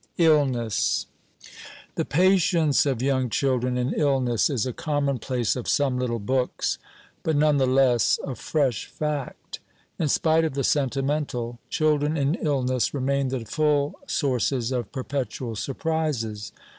ILLNESS The patience of young children in illness is a commonplace of some little books, but none the less a fresh fact. In spite of the sentimental, children in illness remain the full sources of perpetual surprises.